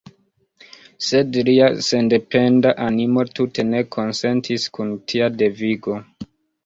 Sed lia sendependa animo tute ne konsentis kun tia devigo.